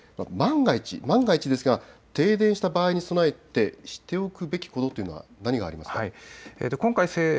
そして、万が一ですが停電した場合に備えて知っておくべきこととは何がありますか。